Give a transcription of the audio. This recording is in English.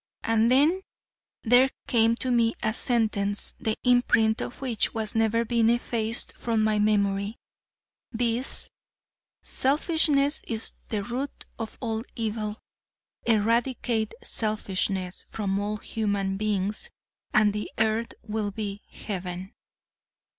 And then there came to me a sentence, the imprint of which has never been effaced from my memory, viz: "Selfishness is the root of all evil; eradicate selfishness from all human beings and the earth win be heaven."